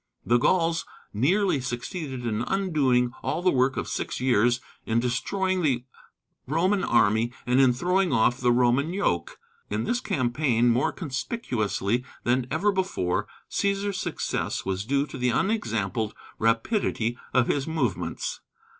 The Gauls nearly succeeded in undoing all the work of six years, in destroying the Roman army and in throwing off the Roman yoke. In this campaign, more conspicuously than ever before, Cæsar's success was due to the unexampled rapidity of his movements.